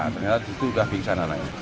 ternyata itu udah bingsan anaknya